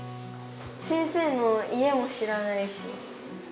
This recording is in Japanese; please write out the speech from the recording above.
先生の家も知らないし。